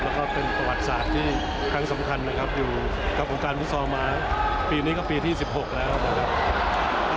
แล้วก็เป็นประวัติศาสตร์ที่ครั้งสำคัญนะครับอยู่กับวงการฟุตซอลมาปีนี้ก็ปีที่๑๖แล้วนะครับ